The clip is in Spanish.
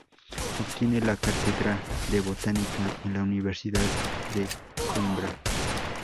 Obtiene la cátedra de Botánica en la Universidad de Coímbra.